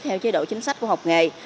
theo chế độ chính sách của học nghề